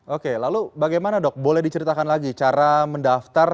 oke lalu bagaimana dok boleh diceritakan lagi cara mendaftar